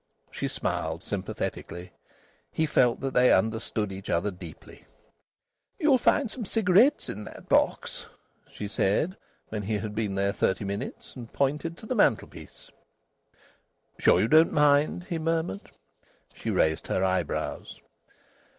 She smiled sympathetically. He felt that they understood each other deeply. "You'll find some cigarettes in that box," she said, when he had been there thirty minutes, and pointed to the mantelpiece. "Sure you don't mind?" he murmured. She raised her eyebrows.